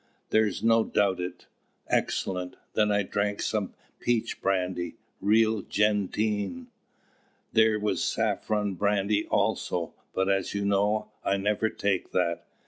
There's no doubt it, excellent! Then I drank some peach brandy, real gentian. There was saffron brandy also; but, as you know, I never take that.